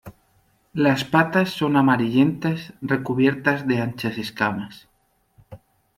Las patas son amarillentas recubiertas de anchas escamas.